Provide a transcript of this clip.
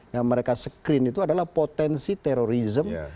yang mereka screen itu adalah potensi terorisme